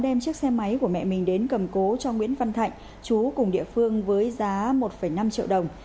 đem chiếc xe máy của mẹ mình đến cầm cố cho nguyễn văn thạnh chú cùng địa phương với giá một năm triệu đồng